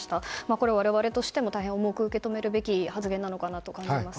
これは我々としても大変重く受け止めるべき発言だと感じます。